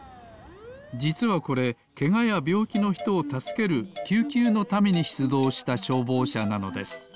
じつはこれけがやびょうきのひとをたすけるきゅうきゅうのためにしゅつどうしたしょうぼうしゃなのです。